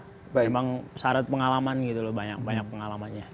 memang syarat pengalaman gitu loh banyak banyak pengalamannya